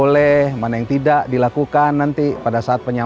sehingga aku seribu sembilan ratus tujuh puluh enam itu juga di peringkat sekolah pergi